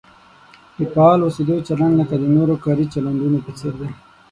د فعال اوسېدو چلند لکه د نورو کاري چلندونو په څېر دی.